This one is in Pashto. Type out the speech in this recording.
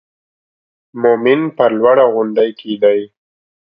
مومن پر لوړه غونډۍ کېږدئ.